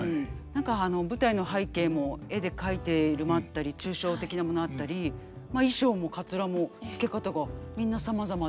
何か舞台の背景も絵で描いているものあったり抽象的なものあったりまあ衣裳もかつらもつけ方がみんなさまざまで。